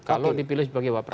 kalau dipilih sebagai wapres